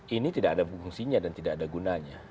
ini tidak ada fungsinya dan tidak ada gunanya